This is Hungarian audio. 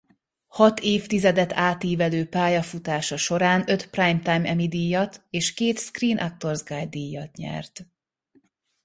Hat évtizedet átívelő pályafutása során öt Primetime Emmy-díjat és két Screen Actors Guild-díjat nyert.